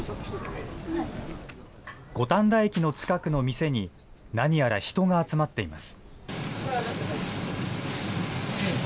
五反田駅の近くの店に、何やら人が集まっています。